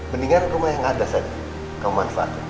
mendingan rumah yang ada saja kamu manfaatkan